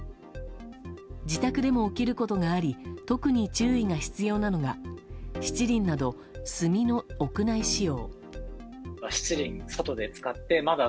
自宅でも起きることがあり特に注意が必要なのが七輪など炭の屋内使用。